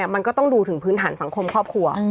มันก็ต้องดูถึงพื้นฐานสังคมครอบครัว